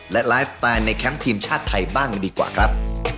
และไลฟ์สไตล์ในแคมป์ทีมชาติไทยบ้างดีกว่าครับ